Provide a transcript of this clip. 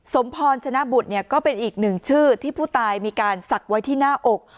สมพรฉนะบุธก็เป็นอีกหนึ่งชื่อที่ผู้ตายมีการสักไว้ที่หน้าอก